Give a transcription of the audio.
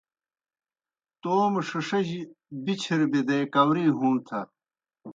توموْ ݜِݜِجیْ بِچِھر بِدے کاؤری ہُوݨ تھہ۔